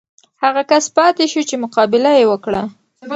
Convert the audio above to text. هغه کس پاتې شو چې مقابله یې وکړه.